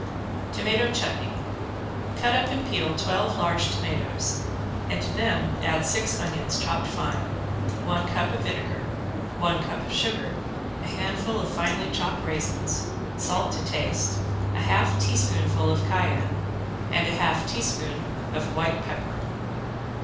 ~TOMATO CHUTNEY~ Cut up and peel twelve large tomatoes and to them add six onions chopped fine, one cup of vinegar, one cup of sugar, a handful of finely chopped raisins, salt to taste, a half teaspoonful of cayenne and a half teaspoonful of white pepper.